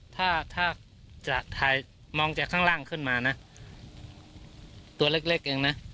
ถ้าถ้าจะถ่ายมองจากข้างล่างขึ้นมานะตัวเล็กเองนะ